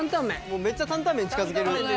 もうめっちゃ担々麺に近づけるね。